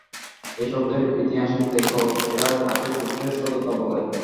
ঐ শব্দের ইতিহাসেই দেখ, এরা কাকে পুরুষের সততা বলে।